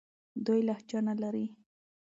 دوی لهجه نه لري.